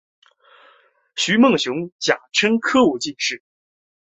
徐梦熊甲辰科武进士。